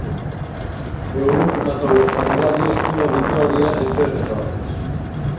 E o Lugo rematou os amigables cunha vitoria e tres derrotas.